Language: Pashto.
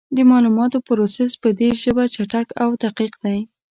د معلوماتو پروسس په دې ژبه چټک او دقیق دی.